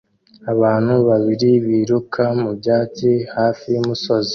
Abantu babiri biruka mu byatsi hafi y'umusozi